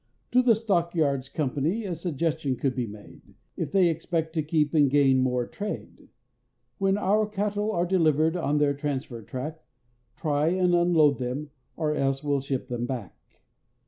To the stockyards company a suggestion could be made, If they expect to keep and gain more trade; When our cattle are delivered on their transfer track, Try and unload them, or else we'll ship them back.